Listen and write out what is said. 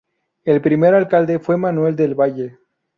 El primer alcalde fue Manuel del Valle.